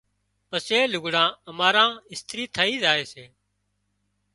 پسي لُگھڙان ماران اِسترِي ٿئي زائي سي۔